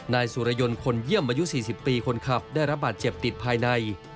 นายสุรยนต์คนเยี่ยมอายุ๔๐ปีคนขับได้รับบาดเจ็บติดภายใน